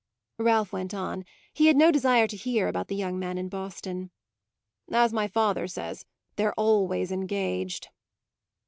Ralph went on; he had no desire to hear about the young man in Boston. "As my father says, they're always engaged!"